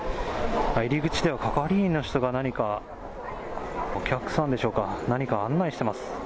入り口では係員の人が何か、お客さんでしょうか、何か案内してます。